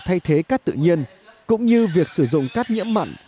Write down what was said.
thay thế cát tự nhiên cũng như việc sử dụng cát nhiễm mặn